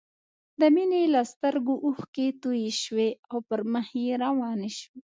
د مينې له سترګو اوښکې توې شوې او پر مخ يې روانې شوې